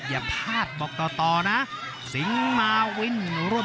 โหโหโหโหโหโหโหโหโห